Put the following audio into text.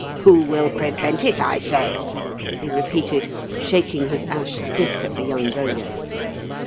" Who will prevent it, I say ?" he repeated, shaking his ash stick at the young bowyer.